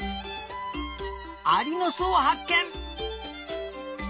アリのすをはっけん！